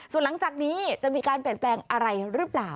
ส่วนหลังจากนี้จะมีการเปลี่ยนแปลงอะไรหรือเปล่า